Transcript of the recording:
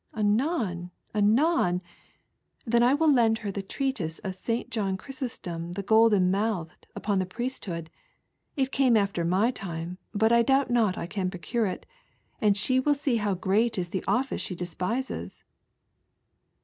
Anon ! anon 1 then vrill I lend her the Treatise \t S. John Chrysostom the Golden Mouthed upon the ■iesthood ; it came after my time, but I doubt not I procure it, and she will see how gieat ia the office idle despises."